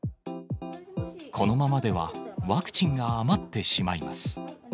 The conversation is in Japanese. このままでは、ワクチンが余ってしまいます。